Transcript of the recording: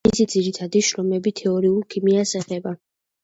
მისი ძირითადი შრომები თეორიულ ქიმიას ეხება.